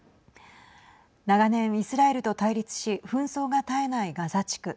長年イスラエルと対立し紛争が絶えないガザ地区。